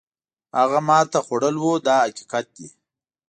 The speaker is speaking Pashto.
هغه ماتې خوړل وو دا حقیقت دی.